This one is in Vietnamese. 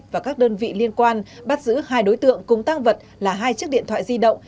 và các đơn vị liên quan bắt giữ hai đối tượng cùng tăng vật là hai chiếc điện thoại di động